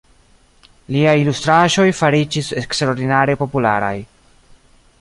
Liaj ilustraĵoj fariĝis eksterordinare popularaj.